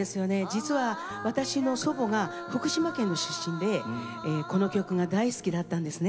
実は私の祖母が福島県の出身でこの曲が大好きだったんですね。